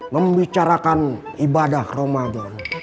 membicarakan ibadah ramadhan